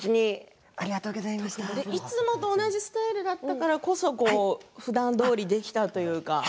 いつもと同じスタイルだったからこそふだんどおりできたというか。